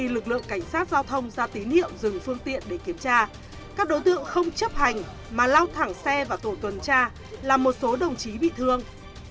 khi lực lượng cảnh sát giao thông ra tín hiệu dừng phương tiện để kiểm tra các đối tượng không chấp hành mà lao thẳng xe vào tổ tuần tra làm một số đồng chí bị thương